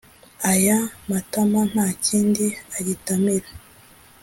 Aya matama nta kindi agitamira